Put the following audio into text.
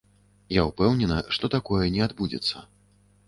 Я ўпэўнена, што такое не адбудзецца.